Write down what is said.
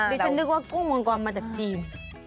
ฉันนึกว่ากุ้งมังกรมาจากจีน